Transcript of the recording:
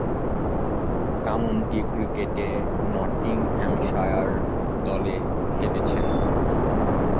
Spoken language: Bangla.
কাউন্টি ক্রিকেটে নটিংহ্যামশায়ার দলে খেলেছেন।